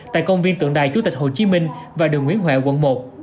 tại công viên tượng đài chủ tịch hồ chí minh và đường nguyễn huệ quận một